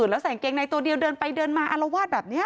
แล้วใส่กางเกงในตัวเดียวเดินไปเดินมาอารวาสแบบนี้